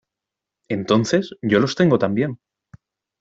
Entonces yo los tengo también.